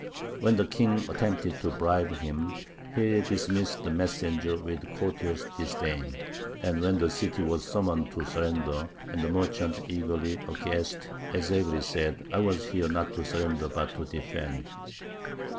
When the king attempted to bribe him, he dismissed the messenger with courteous disdain; and when the city was summoned to surrender, and the merchants eagerly acquiesced, Ez Zegry said: "I was set here not to surrender but to defend."